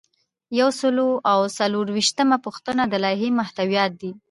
یو سل او څلور شپیتمه پوښتنه د لایحې محتویات دي.